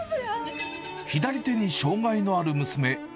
左手に障がいのある娘。